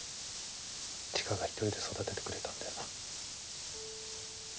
千佳が一人で育ててくれたんだよな。